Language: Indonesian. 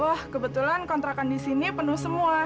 wah kebetulan kontrakan di sini penuh semua